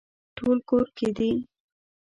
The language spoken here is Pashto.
ټول کور کې دي